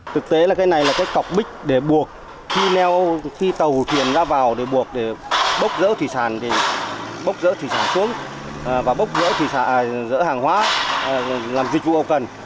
thực tế là cái này là cái cọc bích để buộc khi tàu thuyền ra vào để buộc để bốc rỡ thủy sản xuống và bốc rỡ hàng hóa làm dịch vụ cần